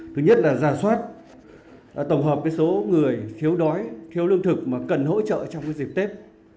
thứ nhất là giả soát tổng hợp số người thiếu đói thiếu lương thực mà cần hỗ trợ trong dịp tết